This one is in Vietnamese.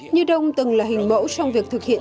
như đông từng là hình mẫu trong việc thực hiện